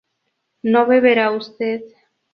¿no beberá usted?